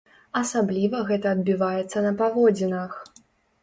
Асабліва гэта адбіваецца на паводзінах!